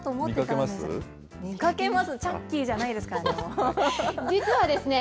見かけます、チャッキーじゃないですからね。